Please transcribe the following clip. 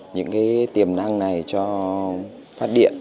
những cái tiềm năng này cho phát điện